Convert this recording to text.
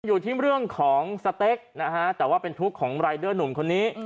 อยู่ที่เรื่องของสเต็กนะฮะแต่ว่าเป็นทุกข์ของรายเดอร์หนุ่มคนนี้